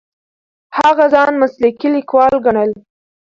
هغه ځان مسلکي لیکواله ګڼله.